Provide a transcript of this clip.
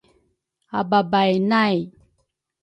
Ababay nay